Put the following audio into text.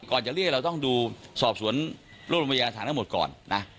ก่อนจะเรียกเราต้องดูสอบสวนร่วมพยาธารทั้งหมดก่อน